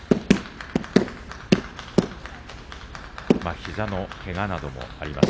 膝のけがなどもあります。